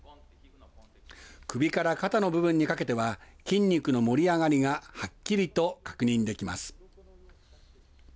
首から肩の部分にかけては筋肉の盛り上がりがはっきりと確認できます。